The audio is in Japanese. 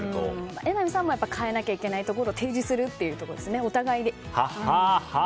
榎並さんも変えなきゃいけないところを提示するというところですねお互いで。